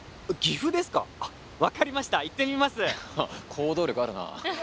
行動力あるなあ。